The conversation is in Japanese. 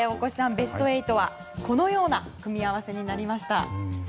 ベスト８はこのような組み合わせになりました。